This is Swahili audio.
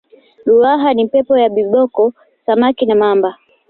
ruaha ni pepo ya viboko samaki na mamba